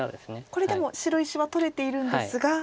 これでも白石は取れているんですが。